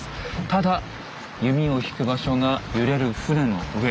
ただ弓を引く場所が揺れる船の上。